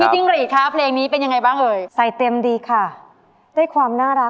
จิ้งหรีดคะเพลงนี้เป็นยังไงบ้างเอ่ยใส่เต็มดีค่ะได้ความน่ารัก